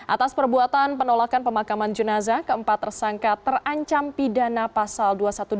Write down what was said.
atas perbuatan penolakan pemakaman jenazah keempat tersangka terancam pidana pasal